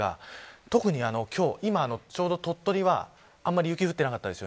特に今ちょうど鳥取は、あまり雪が降っていませんでした。